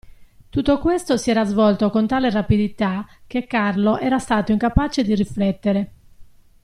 Tutto questo si era svolto con tale rapidità, che Carlo era stato incapace di riflettere.